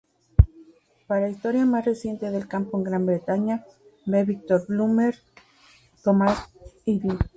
Para historia más reciente del campo en Gran Bretaña, ve Victor Bulmer-Thomas, ed.